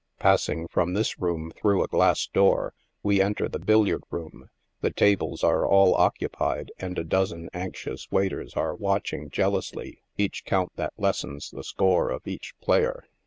Passing from this room through a glass door ; we enter the billiard room ; the tables are all occupied and a dozen anxious waiters are watching jealously each count that lessens the score of each player.